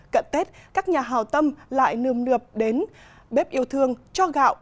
cận tết các nhà hào tâm lại nươm nượp đến bếp yêu thương cho gạo